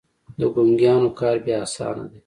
د ګونګيانو کار بيا اسانه دی.